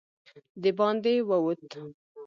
د باندې ووت.